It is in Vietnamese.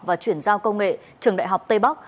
và chuyển giao công nghệ trường đại học tây bắc